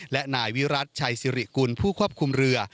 และนายวิรัติชัยสิริกุลผู้ควบคุมเรือ